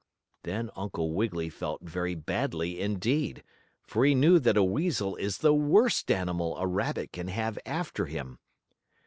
Then Uncle Wiggily felt very badly, indeed, for he knew that a weasel is the worst animal a rabbit can have after him.